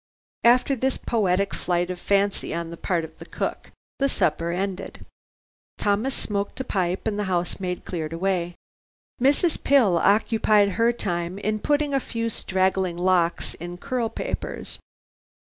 After this poetic flight of fancy on the part of the cook, the supper ended. Thomas smoked a pipe and the housemaid cleared away. Mrs. Pill occupied her time in putting her few straggling locks in curl papers.